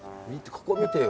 ここ見てよ。